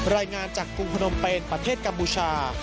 รายงานจากกรุงพนมเปนประเทศกัมพูชา